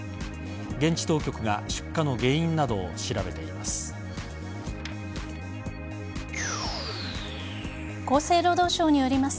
現地当局が出火の原因などを調べています。